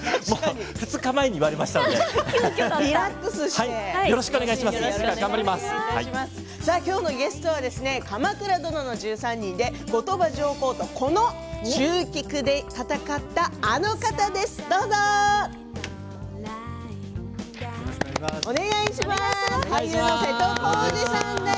２日前に言われましたので今日のゲストは「鎌倉殿の１３人」で後鳥羽上皇とこの蹴鞠で戦ったあの方です。